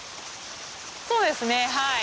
そうですねはい。